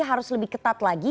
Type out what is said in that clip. harus lebih ketat lagi